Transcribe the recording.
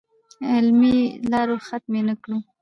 علمي لارو ختمې نه کړو.